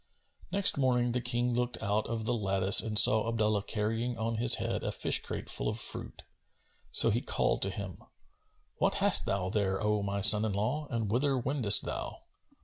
Next morning the King looked out of the lattice and saw Abdullah carrying on his head a fish crate full of fruit. So he called to him, "What hast thou there, O my son in law, and whither wendest thou?"